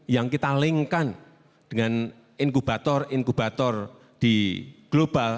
yang kita link kan dengan inkubator inkubator di global